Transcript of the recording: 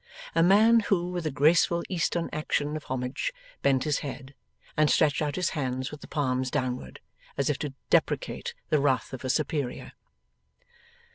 A man who with a graceful Eastern action of homage bent his head, and stretched out his hands with the palms downward, as if to deprecate the wrath of a superior.